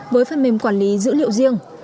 với phần mềm quản lý dữ liệu riêng